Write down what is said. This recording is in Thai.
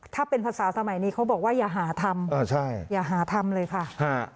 ถ้าเป็นภาษาสมัยนี้เขาบอกว่าอย่าหาทำอ่าใช่อย่าหาทำเลยค่ะฮะ